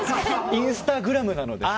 インスタグラムなので。